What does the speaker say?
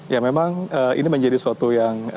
ya memang ini menjadi suatu yang